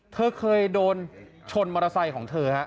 เธอเคยโดนชนมอเตอร์ไซค์ของเธอฮะ